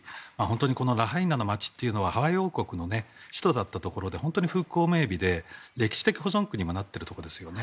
このラハイナの街はハワイ王国の首都だったところで本当に風光明媚で歴史的保存区にもなっているところですよね。